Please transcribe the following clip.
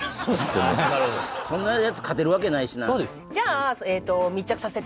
そんなやつ勝てるわけないしなそうです